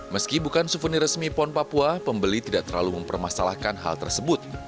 meski bukan suvenir resmi pon papua pembeli tidak terlalu mempermasalahkan hal tersebut